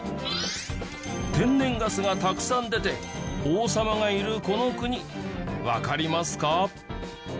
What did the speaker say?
天然ガスがたくさん出て王様がいるこの国わかりますか？